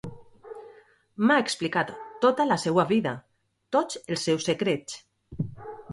M'ha explicat tota la seua vida, tots els seus secrets...